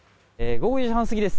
午後４時半過ぎです。